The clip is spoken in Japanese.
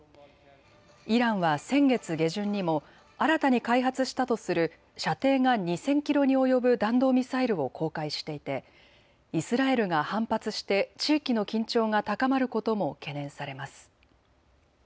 イランは先月下旬にも新たに開発したとする射程が２０００キロに及ぶ弾道ミサイルを公開していてイスラエルが反発して地域の緊張が高まることも懸念されます。